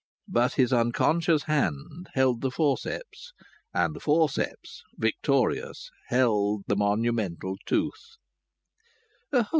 But his unconscious hand held the forceps; and the forceps, victorious, held the monumental tooth.